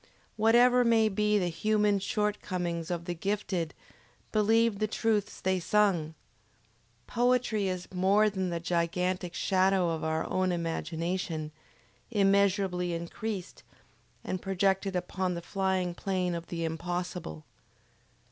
Whatever may be the human short comings of the gifted, believe the truths they sing! Poetry is more than the gigantic shadow of our own imagination, immeasurably increased, and projected upon the flying plane of the Impossible.